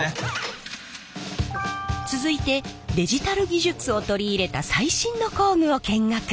続いてデジタル技術を取り入れた最新の工具を見学。